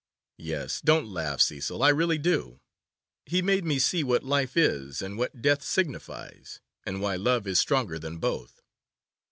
Yes, don't laugh, Cecil, I really do. He made me see what Life is, and what Death signifies, and why Love is stronger than both.